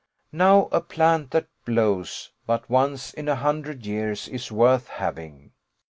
Now a plant that blows but once in a hundred years is worth having.